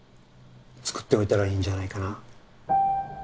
作っておいたらいいんじゃないかな